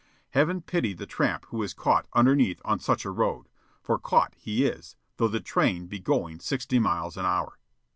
Heaven pity the tramp who is caught "underneath" on such a road for caught he is, though the train be going sixty miles an hour.